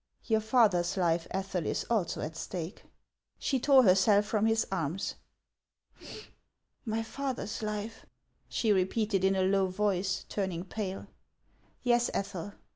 Your father's life, Ethel, is also at stake." She tore herself from his arms. " My father's life ?" she repeated in a low voice, turning pale. " Yes, Ethel.